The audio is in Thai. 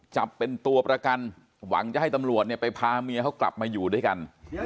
จับเป็นตัวประกันหวังจะให้ตำรวจเนี่ยไปพาเมียเขากลับมาอยู่ด้วยกัน